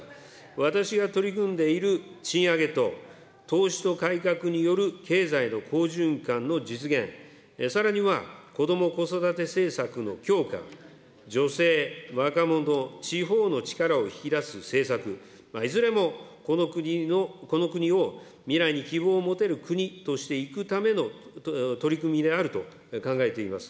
私が取り組んでいる賃上げと、投資と改革による経済の好循環の実現、さらにはこども・子育て政策の強化、女性、若者、地方の力を引き出す政策、いずれも、この国の、この国を未来に希望を持てる国としていくための取り組みであると考えています。